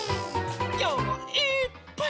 きょうもいっぱい。